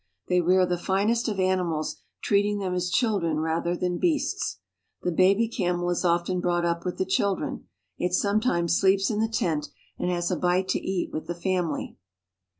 They rear the finest of animals, treating them as children rather than beasts. The baby camel is often brought up with the children ; it sometimes leeps in the tent, and has a bite to eat with the family.